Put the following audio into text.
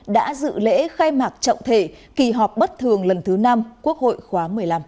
đã dự lễ khai mạc trọng thể kỳ họp bất thường lần thứ năm quốc hội khóa một mươi năm